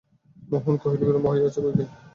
মোহন কহিল, বিলম্ব হইয়াছে বই কি।